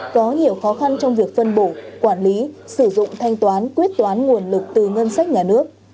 có nhiều khó khăn trong việc phân bổ quản lý sử dụng thanh toán quyết toán nguồn lực từ ngân sách nhà nước